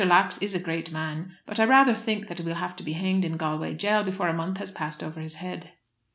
Lax is a great man, but I rather think that he will have to be hanged in Galway jail before a month has passed over his head."